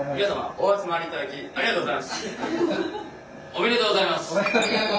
おめでとうございます。